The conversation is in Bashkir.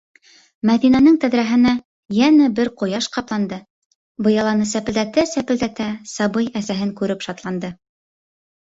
Мәҙинәнең тәҙрәһенә йәнә бер ҡояш ҡапланды, быяланы сәпелдәтә-сәпелдәтә, сабый әсәһен күреп шатланды.